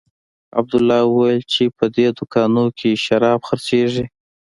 عبدالله وويل چې په دې دوکانو کښې شراب خرڅېږي.